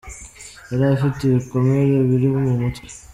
Yari afite ibikomere bibiri mu mutwe.